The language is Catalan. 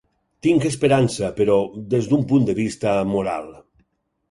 Tinc esperança, però des d’un punt de vista moral.